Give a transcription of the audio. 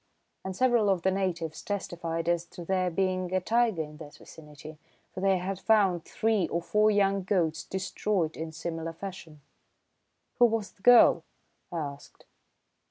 And several of the natives testified as to there being a tiger in that vicinity, for they had found three or four young goats destroyed in similar fashion." "Who was the girl?" I asked.